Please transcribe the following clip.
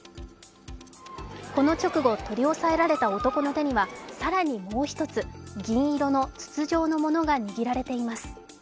この直後、取り押さえられた男の手には更にもう一つ、銀色の筒状のものが握られています。